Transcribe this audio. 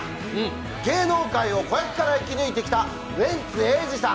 芸能界を子役から生き抜いてきたウエンツ瑛士さん